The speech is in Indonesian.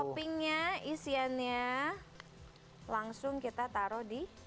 toppingnya isiannya langsung kita taruh di